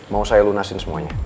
mau saya lunasin semuanya